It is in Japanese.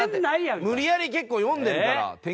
だって無理やり結構読んでるから。